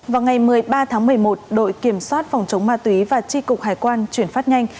vào ngày một mươi ba tháng một mươi một đội kiểm soát phòng chống ma túy và tri cục hải quan chuyển phát nhanh